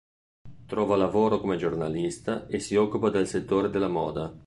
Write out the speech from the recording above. Trova lavoro come giornalista e si occupa del settore della moda.